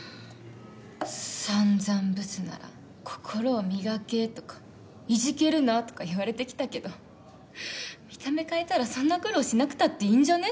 散々「ブスなら心を磨け」とか「いじけるな」とか言われてきたけど見た目変えたらそんな苦労しなくたっていいんじゃね？